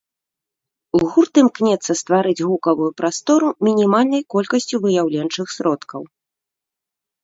Гурт імкнецца стварыць гукавую прастору мінімальнай колькасцю выяўленчых сродкаў.